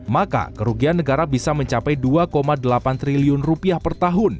maka kerugian negara bisa mencapai dua delapan triliun rupiah per tahun